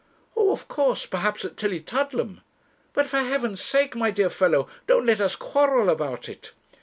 'Oh, of course; perhaps at Tillietudlem; but for Heaven's sake, my dear fellow, don't let us quarrel about it.